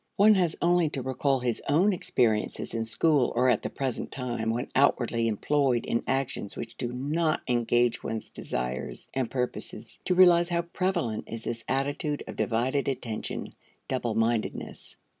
One has only to recall his own experiences in school or at the present time when outwardly employed in actions which do not engage one's desires and purposes, to realize how prevalent is this attitude of divided attention double mindedness.